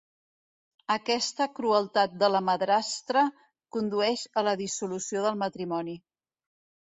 Aquesta crueltat de la madrastra condueix a la dissolució del matrimoni.